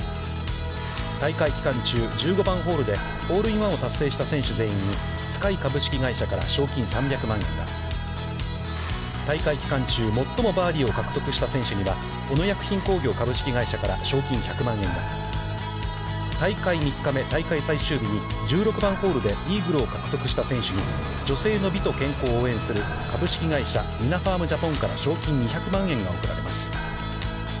大会期間中１５番ホールで、ホールインワンを達成した選手全員に、Ｓｋｙ株式会社から賞金３００万円が、大会期間中、最もバーディーを獲得した選手には小野薬品工業株式会社から賞金１００万円が、大会３日目、大会最終日に１６番ホールでイーグルを獲得した選手に、女性の美と健康を応援する株式会社ニナファームジャポンから、賞金２００万円が贈られます。